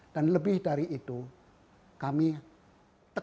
dan lebih dari itu kami tekan